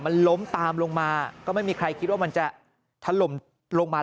มันล้มตามลงมาก็ไม่มีใครคิดว่ามันจะถล่มลงมา